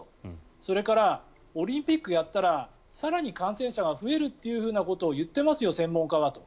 それからオリンピックやったら更に感染者は増えるというふうなことを言っていますよ、専門家はと。